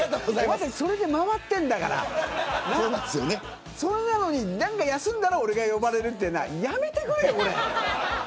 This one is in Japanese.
お前たちそれで回ってんだからそれなのに何か休んだら俺が呼ばれるっていうのはやめてくれ。